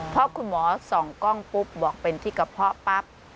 เพราะคุณหมอส่องกล้องปุ๊บบอกเป็นที่กระเพาะปั๊บ